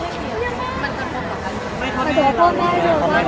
ว่าคนไม่ได้กรอกพี่หรือว่ามันคิดขอมูลกัน